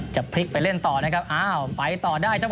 จะพลิกไปเล่นต่อนะครับอ้าวไปต่อได้จังห